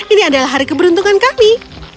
ini adalah hari keberuntungan kami